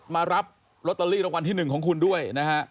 มารับลอตเตอรี่รางวัลที่๑ของคุณด้วยนะฮะ